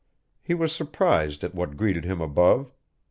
He was surprised at what greeted him above.